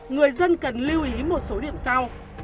người dân cần lưu ý một số điểm sau